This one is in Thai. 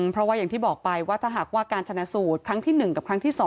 เพราะว่าอย่างที่บอกไปว่าถ้าหากว่าการชนะสูตรครั้งที่๑กับครั้งที่๒